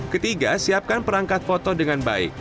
ketiga siapkan perangkat foto dengan baik